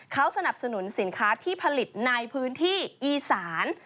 เขาสนับสนุนสินค้าที่ผลิตในพื้นที่อีสาน